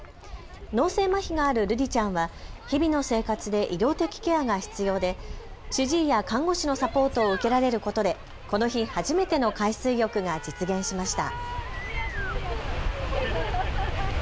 脳性まひがある瑠莉ちゃんは日々の生活で医療的ケアが必要で主治医や看護師のサポートを受けられることで、この日、初めての海水浴が実現しました。